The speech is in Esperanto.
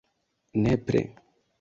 nepre